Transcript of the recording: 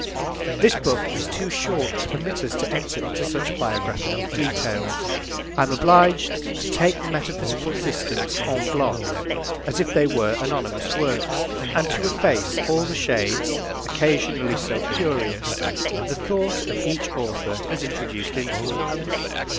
This book is too short to permit us to enter into such biographical details. I am obliged to take the metaphysical systems en bloc, as if they were anonymous works, and to efface all the shades, occasionally so curious, that the thought of each author has introduced into them.